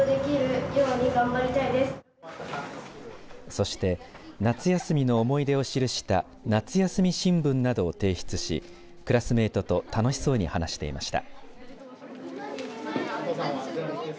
そして夏休みの思い出を記した夏休み新聞などを提出しクラスメイトと楽しそうに話していました。